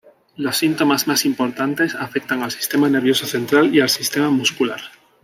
Los síntomas más importantes afectan al sistema nervioso central y al sistema muscular.